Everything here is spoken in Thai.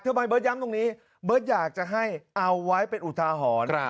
เธอมายเบิ้ดย้ำตรงนี้เบิ้ดอยากจะให้เอาไว้เป็นอุทหรณ์